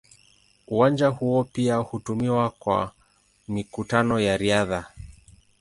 Uwanja huo pia hutumiwa kwa mikutano ya riadha.